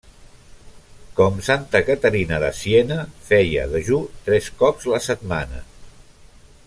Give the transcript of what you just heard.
Com Santa Caterina de Siena, feia dejú tres cops la setmana.